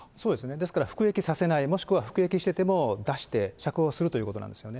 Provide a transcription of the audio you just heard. ですから服役させない、もしくは服役してても出して釈放するということなんですよね。